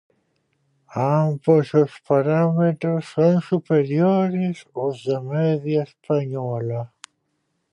Ambos os parámetros son superiores aos da media española.